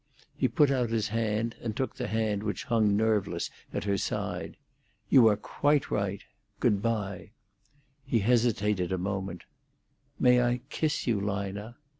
He put out his hand and took the hand which hung nerveless at her side. "You are quite right. Good bye." He hesitated a moment. "May I kiss you, Lina?"